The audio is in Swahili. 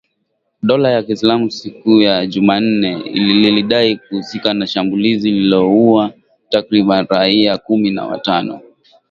Dola ya Kiislamu siku ya Jumanne lilidai kuhusika na shambulizi lililoua takribani raia kumi na watano